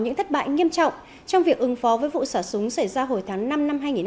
những thất bại nghiêm trọng trong việc ứng phó với vụ xả súng xảy ra hồi tháng năm năm hai nghìn hai mươi ba